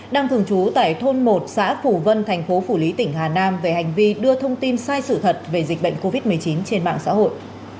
đang thường trú tại thôn một xã phủ vân thành phố phủ lý tỉnh hà nam về hành vi đưa thông tin sai sự thật về dịch bệnh covid một mươi chín trên mạng xã hội